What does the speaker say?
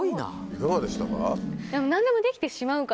いかがでしたか？